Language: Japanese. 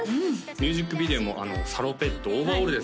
ミュージックビデオもサロペットオーバーオールですか？